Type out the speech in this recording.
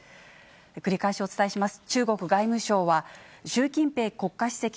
繰り返しお伝えします。